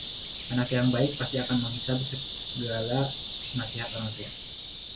anak yang baik pasti akan menghisab segala nasihat orang tua